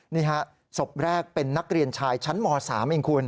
นี่ฮะศพแรกเป็นนักเรียนชายชั้นม๓เองคุณ